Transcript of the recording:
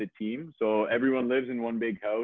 jadi semua orang hidup di rumah besar